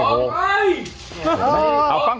ออกไป